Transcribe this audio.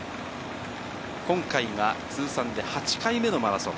今回は通算で８回目のマラソン。